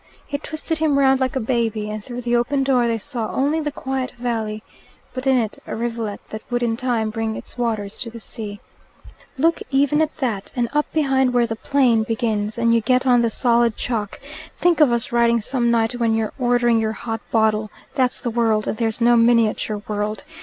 He twisted him round like a baby, and through the open door they saw only the quiet valley, but in it a rivulet that would in time bring its waters to the sea. "Look even at that and up behind where the Plain begins and you get on the solid chalk think of us riding some night when you're ordering your hot bottle that's the world, and there's no miniature world.